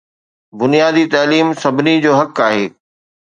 بنيادي تعليم سڀني جو حق آهي